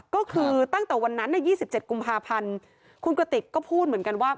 ก็คือตั้งแต่วันนั้น๒๗กุมภาพันธ์คุณกระติกก็พูดเหมือนกันว่า